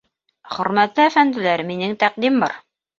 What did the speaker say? — Хормәтле әфәнделәр, минең тәҡдим бар.